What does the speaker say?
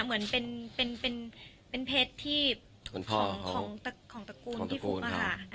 เหมือนเป็นเพชรที่ของตระกูลที่ฟุบอะค่ะ